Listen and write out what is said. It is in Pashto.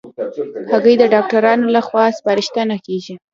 هګۍ د ډاکټرانو له خوا سپارښتنه کېږي.